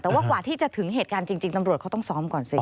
แต่ว่ากว่าที่จะถึงเหตุการณ์จริงตำรวจเขาต้องซ้อมก่อนสิ